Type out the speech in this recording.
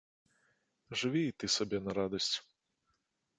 Жыві і ты сабе на радасць!